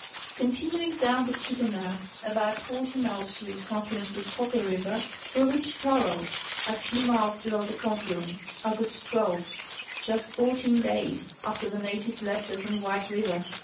Continuing down the Chittenah about forty miles to its con fluence with Copper river, we reached Taral, a few miles beloAV the confluence, August 12, just fourteen days after the natives left us on White river.